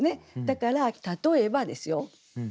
だから例えばですよ。